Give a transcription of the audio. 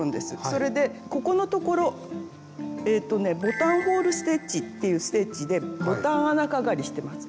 それでここのところボタンホールステッチっていうステッチでボタン穴かがりしてます。